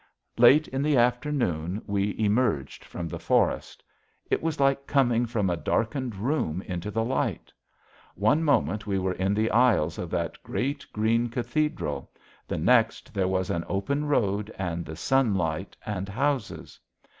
Late in the afternoon, we emerged from the forest. It was like coming from a darkened room into the light. One moment we were in the aisles of that great green cathedral, the next there was an open road and the sunlight and houses.